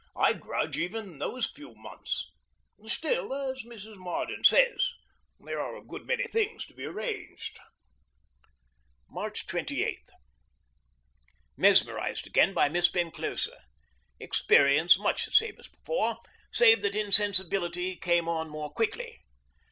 I grudge even those few months. Still, as Mrs. Marden says, there are a good many things to be arranged. March 28. Mesmerized again by Miss Penclosa. Experience much the same as before, save that insensibility came on more quickly.